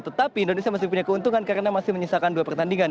tetapi indonesia masih punya keuntungan karena masih menyisakan dua pertandingan